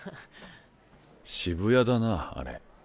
渋谷だなあれ。